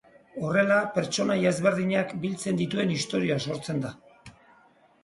Horrela, pertsonaia ezberdinak biltzen dituen istorioa sortzen da.